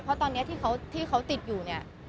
เพราะตอนนี้ที่เขาติดอยู่เนี่ย